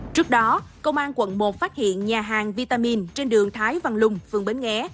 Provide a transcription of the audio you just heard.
trước đó công an quận một phát hiện nhà hàng vitamin trên đường thái văn lung phường bến nghé